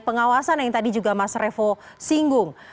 pengawasan yang tadi juga mas revo singgung